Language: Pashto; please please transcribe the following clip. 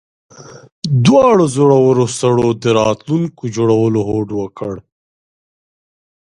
دواړو زړورو سړو د راتلونکي جوړولو هوډ وکړ